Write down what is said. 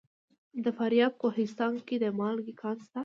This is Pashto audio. د فاریاب په کوهستان کې د مالګې کان شته.